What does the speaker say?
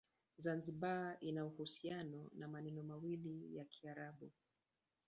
Zanzibar ina uhusiano na maneno mawili ya Kiarabu.